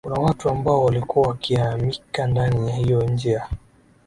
kuna watu ambao walikuwa wakimika ndani ya hiyo njia